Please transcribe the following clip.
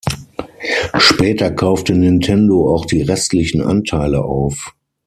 Später kaufte Nintendo auch die restlichen Anteile auf.